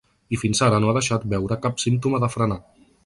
I fins ara no ha deixat veure cap símptoma de frenar.